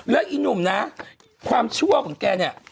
แล้วอีหนุ่มนะความชั่วของแกเนี่ย